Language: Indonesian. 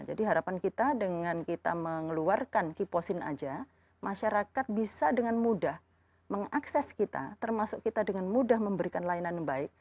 jadi harapan kita dengan kita mengeluarkan kiposin aja masyarakat bisa dengan mudah mengakses kita termasuk kita dengan mudah memberikan line account